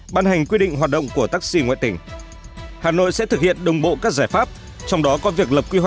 ban hành quy định hoạt động của taxi ngoại tỉnh